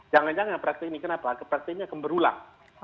jangan jangan praktik ini kenapa praktek ini akan berulang